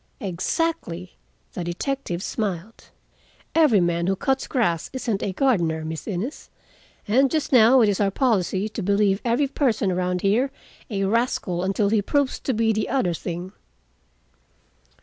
"Exactly." The detective smiled. "Every man who cuts grass isn't a gardener, Miss Innes, and just now it is our policy to believe every person around here a rascal until he proves to be the other thing."